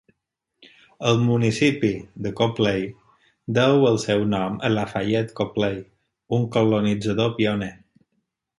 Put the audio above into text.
El municipi de Copley deu el seu nom a Lafayette Copley, un colonitzador pioner.